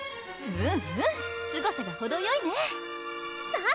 うんうんすごさがほどよいねさぁ！